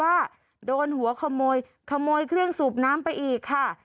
ว่าโดนหัวขโมยขโมยเครื่องสูบน้ำไปอีกค่ะ